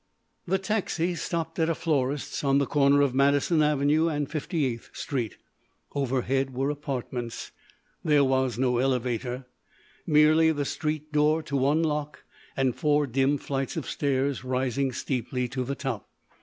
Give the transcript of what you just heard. The taxi stopped at a florist's on the corner of Madison Avenue and 58th Street. Overhead were apartments. There was no elevator—merely the street door to unlock and four dim flights of stairs rising steeply to the top.